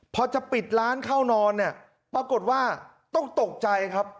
พอจะปิดร้านเข้านอนเนี่ยปรากฏว่าต้องตกใจครับ